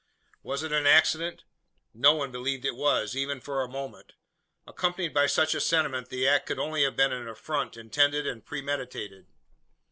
Was it an accident? No one believed it was even for a moment. Accompanied by such a sentiment the act could only have been an affront intended and premeditated.